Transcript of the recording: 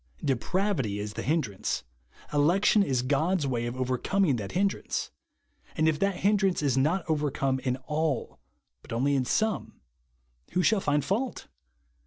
Depravity is the hindrance ; election is God's way of overcoming that hindrance. And if that hindrance is not overcome in all, but only in some, who shall find fault